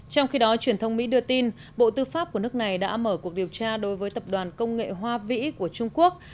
trong khi đó truyền thông mỹ đưa tin bộ tư pháp của nước này đã mở cuộc điều tra đối với tập đoàn công nghệ hoa vĩ của trung quốc